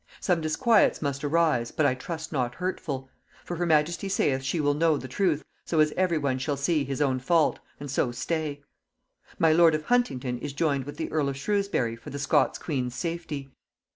Some disquiets must arise, but I trust not hurtful; for her majesty saith she will know the truth, so as every one shall see his own fault, and so stay.... My lord of Huntingdon is joined with the earl of Shrewsbury for the Scots queen's safety.